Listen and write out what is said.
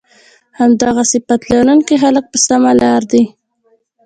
همدغه صفت لرونکي خلک په سمه لار دي